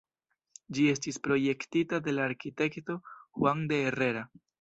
Ĝi estis projektita de la arkitekto Juan de Herrera.